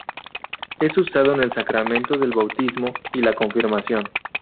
Es usado en el sacramento del bautismo y la confirmación.